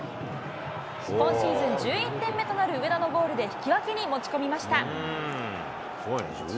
今シーズン１１点目となる上田のゴールで引き分けに持ち込みました。